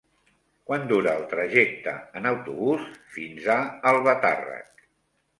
Quant dura el trajecte en autobús fins a Albatàrrec?